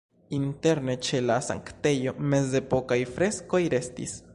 Interne ĉe la sanktejo mezepokaj freskoj restis.